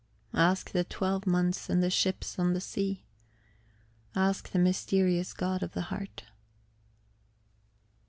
Ask the twelve months and the ships on the sea; ask the mysterious God of the heart...